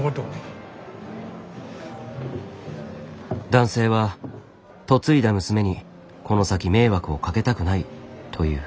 男性は「嫁いだ娘にこの先迷惑をかけたくない」という。